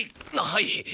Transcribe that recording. はい。